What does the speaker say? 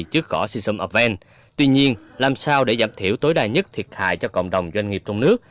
trước cỏ seom oven tuy nhiên làm sao để giảm thiểu tối đa nhất thiệt hại cho cộng đồng doanh nghiệp trong nước